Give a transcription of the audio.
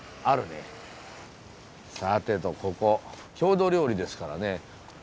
さてとここ郷土料理ですからね。